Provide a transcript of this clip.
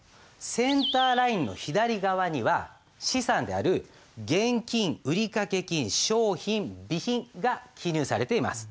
センターラインの左側には資産である現金売掛金商品備品が記入されています。